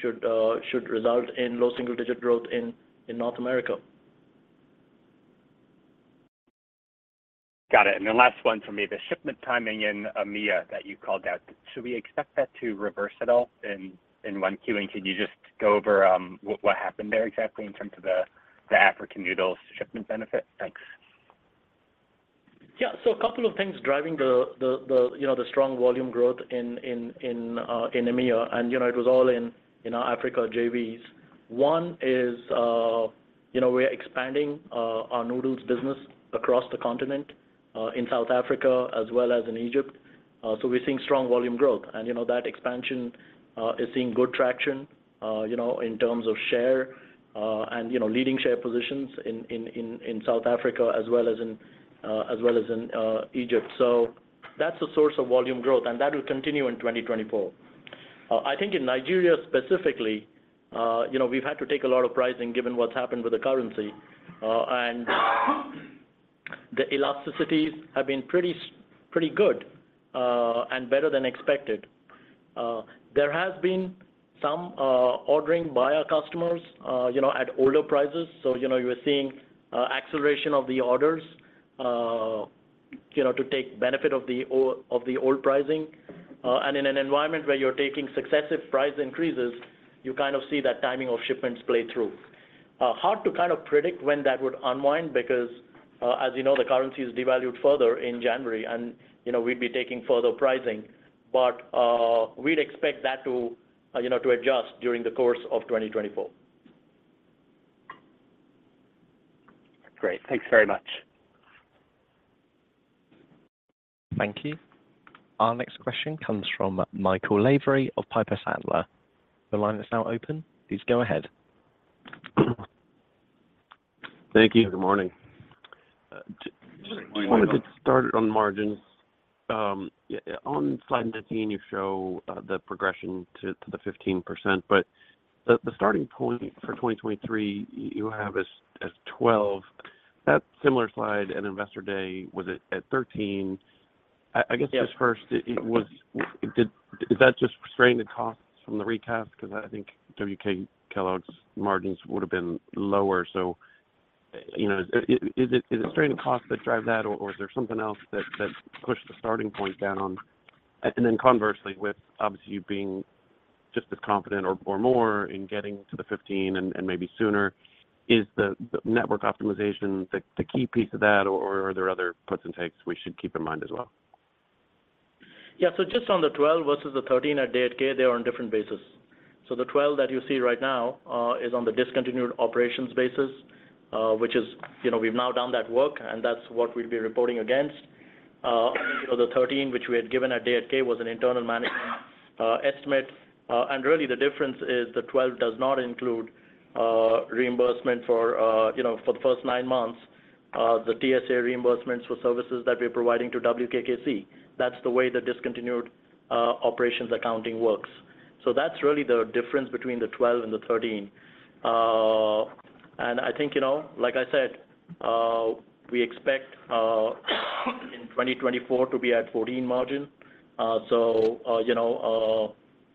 should result in low single-digit growth in North America. Got it. And the last one for me, the shipment timing in EMEA that you called out, should we expect that to reverse at all in Q1? And could you just go over what happened there exactly in terms of the African noodles shipment benefit? Thanks. Yeah. So a couple of things driving the you know the strong volume growth in EMEA, and you know it was all in our Africa JVs. One is you know we're expanding our noodles business across the continent in South Africa as well as in Egypt. So we're seeing strong volume growth, and you know that expansion is seeing good traction you know in terms of share and you know leading share positions in South Africa as well as in Egypt. So that's the source of volume growth, and that will continue in 2024. I think in Nigeria specifically you know we've had to take a lot of pricing given what's happened with the currency. The elasticities have been pretty good and better than expected. There has been some ordering by our customers, you know, at older prices. So, you know, you're seeing acceleration of the orders, you know, to take benefit of the old pricing. And in an environment where you're taking successive price increases, you kind of see that timing of shipments play through. Hard to kind of predict when that would unwind because, as you know, the currency is devalued further in January, and, you know, we'd be taking further pricing, but, we'd expect that to, you know, to adjust during the course of 2024. Great. Thanks very much. Thank you. Our next question comes from Michael Lavery of Piper Sandler. The line is now open, please go ahead. Thank you. Good morning. Just wanted to get started on margins. Yeah, on slide 15, you show the progression to the 15%, but the starting point for 2023, you have as 12. That similar slide at Investor Day, was it at 13? Yes. I guess, just first, it was—Did that just restrain the costs from the recast? Because I think WK Kellogg's margins would have been lower. So, you know, is it straight cost that drive that, or is there something else that pushed the starting point down on... And then conversely, with obviously you being just as confident or more in getting to the 15 and maybe sooner, is the network optimization the key piece of that, or are there other puts and takes we should keep in mind as well? Yeah. So just on the 12 versus the 13 at Day@K, they are on different basis. So the 12 that you see right now, is on the discontinued operations basis, which is, you know, we've now done that work, and that's what we'll be reporting against. The 13, which we had given at Day@K, was an internal management, estimate. And really, the difference is the 12 does not include, reimbursement for, you know, for the first 9 months, the TSA reimbursements for services that we're providing to WKKC. That's the way the discontinued operations accounting works. So that's really the difference between the 12 and the 13. And I think, you know, like I said, we expect, in 2024 to be at 14 margin. So, you know,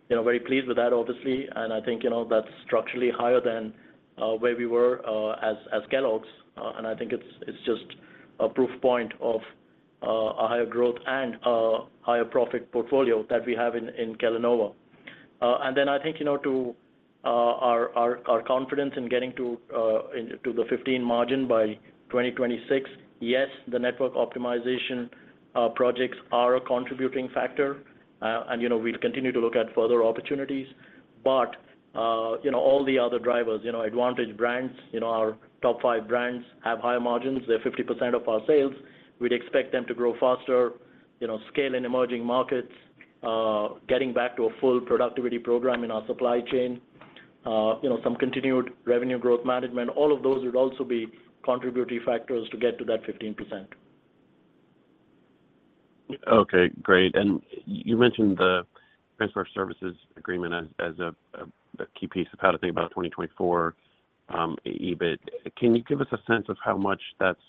very pleased with that, obviously, and I think, you know, that's structurally higher than where we were as Kellogg's. And I think it's just a proof point of a higher growth and a higher profit portfolio that we have in Kellanova. And then I think, you know, to our confidence in getting to the 15% margin by 2026, yes, the network optimization projects are a contributing factor, and, you know, we'll continue to look at further opportunities. But, you know, all the other drivers, you know, advantaged brands, you know, our top five brands have higher margins. They're 50% of our sales. We'd expect them to grow faster, you know, scale in emerging markets, getting back to a full productivity program in our supply chain, you know, some continued revenue growth management, all of those would also be contributory factors to get to that 15%. Okay, great. You mentioned the transition services agreement as a key piece of how to think about 2024 EBIT. Can you give us a sense of how much that's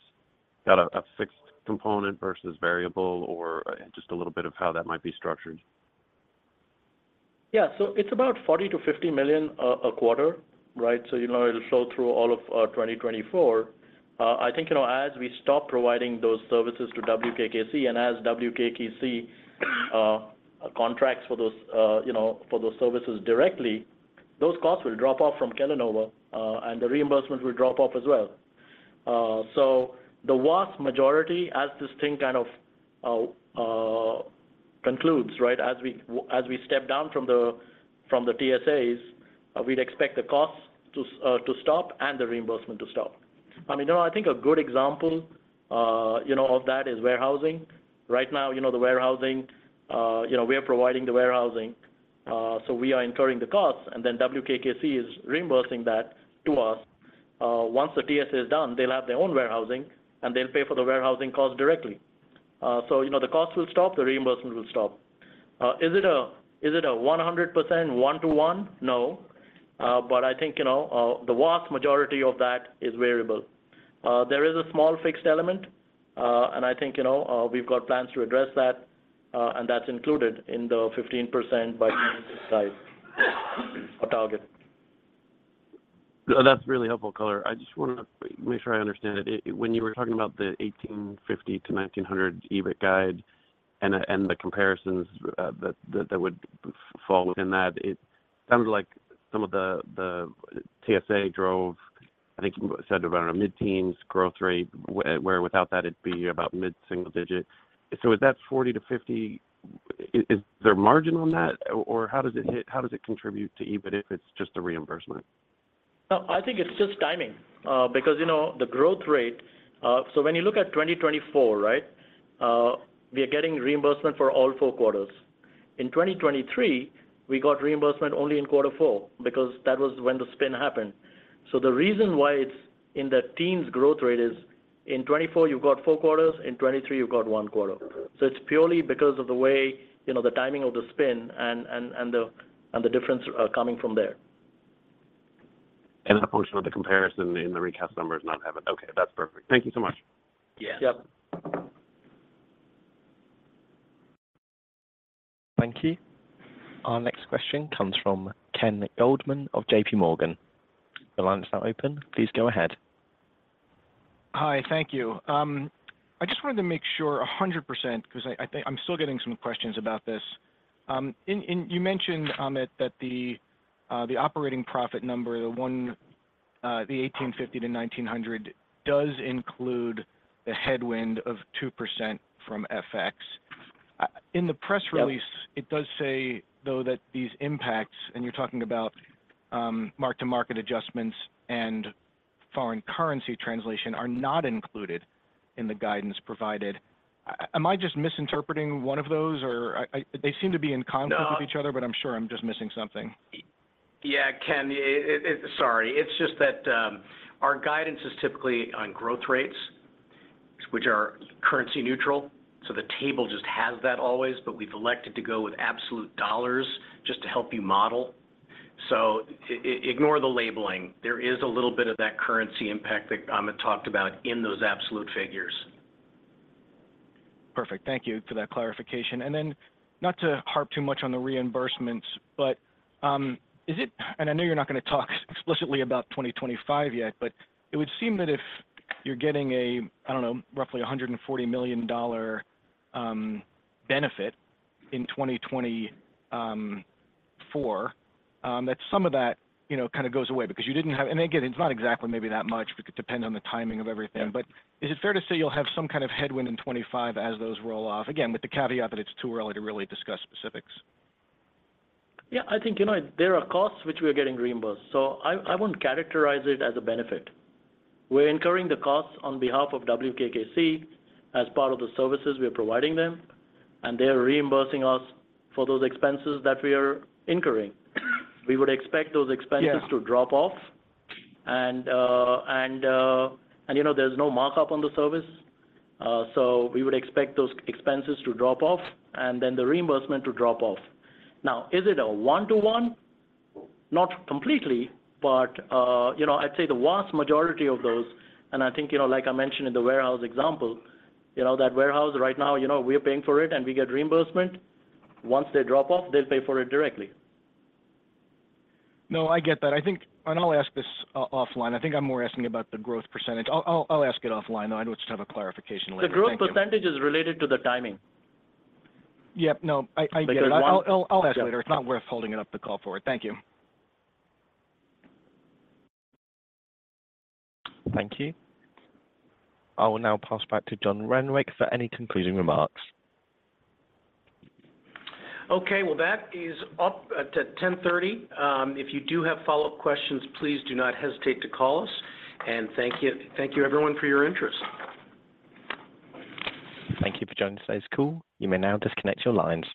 got a fixed component versus variable or just a little bit of how that might be structured?... Yeah, so it's about $40 million-$50 million a quarter, right? So, you know, it'll flow through all of 2024. I think, you know, as we stop providing those services to WKKC and as WKKC contracts for those, you know, for those services directly, those costs will drop off from Kellanova, and the reimbursement will drop off as well. So the vast majority, as this thing kind of concludes, right? As we step down from the TSAs, we'd expect the costs to stop and the reimbursement to stop. I mean, you know, I think a good example, you know, of that is warehousing. Right now, you know, the warehousing, you know, we are providing the warehousing, so we are incurring the costs, and then WK Kellogg Co is reimbursing that to us. Once the TSA is done, they'll have their own warehousing, and they'll pay for the warehousing costs directly. So, you know, the costs will stop, the reimbursements will stop. Is it a, is it a 100% one-to-one? No. But I think, you know, the vast majority of that is variable. There is a small fixed element, and I think, you know, we've got plans to address that, and that's included in the 15% margin target. That's really helpful, color. I just wanna make sure I understand it. When you were talking about the $1,850 million-$1,900 million EBIT guide and the comparisons, that would fall within that. It sounds like some of the TSA drove... I think you said around a mid-teens growth rate, where without that, it'd be about mid-single digit. So is that $40 million-$50 million, is there margin on that, or how does it contribute to EBIT if it's just a reimbursement? No, I think it's just timing, because, you know, the growth rate. So when you look at 2024, right? We are getting reimbursement for all four quarters. In 2023, we got reimbursement only in quarter four because that was when the spin happened. So the reason why it's in the teens growth rate is, in 2024, you've got four quarters, in 2023, you've got one quarter. So it's purely because of the way, you know, the timing of the spin and, and, and the, and the difference, coming from there. A function of the comparison in the recast numbers not having-- Okay, that's perfect. Thank you so much. Yeah. Yep. Thank you. Our next question comes from Ken Goldman of JP Morgan. Your line is now open. Please go ahead. Hi, thank you. I just wanted to make sure 100%, because I think—I'm still getting some questions about this. In, you mentioned, Amit, that the operating profit number, the one, the $1,850-$1,900, does include the headwind of 2% from FX. Yep. In the press release, it does say, though, that these impacts, and you're talking about, mark-to-market adjustments and foreign currency translation, are not included in the guidance provided. Am I just misinterpreting one of those? Or they seem to be in conflict- No... with each other, but I'm sure I'm just missing something. Yeah, Ken. Sorry. It's just that, our guidance is typically on growth rates, which are currency neutral, so the table just has that always, but we've elected to go with absolute dollars just to help you model. So ignore the labeling. There is a little bit of that currency impact that Amit talked about in those absolute figures. Perfect. Thank you for that clarification. And then, not to harp too much on the reimbursements, but, is it... And I know you're not going to talk explicitly about 2025 yet, but it would seem that if you're getting a, I don't know, roughly a $140 million benefit in 2024, that some of that, you know, kind of goes away because you didn't have-- And again, it's not exactly maybe that much, but it depends on the timing of everything. Yeah. But is it fair to say you'll have some kind of headwind in 2025 as those roll off? Again, with the caveat that it's too early to really discuss specifics. Yeah, I think, you know, there are costs which we are getting reimbursed, so I wouldn't characterize it as a benefit. We're incurring the costs on behalf of WK Kellogg Co as part of the services we are providing them, and they are reimbursing us for those expenses that we are incurring. We would expect those expenses- Yeah... to drop off, and you know, there's no markup on the service, so we would expect those expenses to drop off and then the reimbursement to drop off. Now, is it a one-to-one? Not completely, but you know, I'd say the vast majority of those, and I think, you know, like I mentioned in the warehouse example, you know, that warehouse right now, you know, we are paying for it, and we get reimbursement. Once they drop off, they'll pay for it directly. No, I get that. I think... And I'll ask this offline. I think I'm more asking about the growth percentage. I'll ask it offline, though. I just have a clarification later. The growth percentage is related to the timing. Yep. No, Like there's one- I get it. I'll ask later. It's not worth holding it up the call for it. Thank you. Thank you. I will now pass back to John Renwick for any concluding remarks. Okay. Well, that is up to 10:30. If you do have follow-up questions, please do not hesitate to call us. Thank you, thank you, everyone, for your interest. Thank you for joining today's call. You may now disconnect your lines.